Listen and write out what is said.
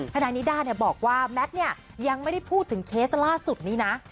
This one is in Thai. ทนายนิด้าบอกว่าแมทเนี่ยยังไม่ได้พูดถึงเคสล่าสุดนี้นะ